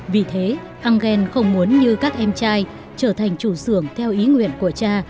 vì thế engel không muốn như các em trai trở thành trù sường theo ý nguyện của cha